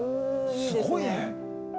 すごいね！